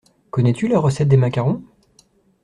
Connais-tu la recette des macarons?